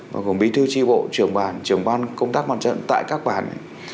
và gồm bí thư tri bộ trưởng bản trưởng ban công tác quan trọng tại các bản